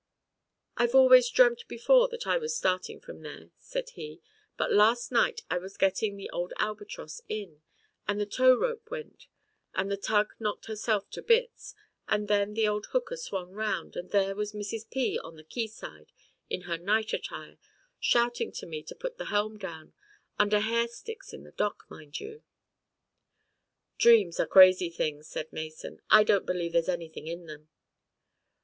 "I've always dreamt before that I was starting from there," said he, "but last night I was getting the old Albatross in, and the tow rope went, and the tug knocked herself to bits, and then the old hooker swung round and there was Mrs. P. on the quayside in her night attire shouting to me to put the helm down under hare sticks in the docks, mind you!" "Dreams are crazy things," said Mason. "I don't believe there's anything in them."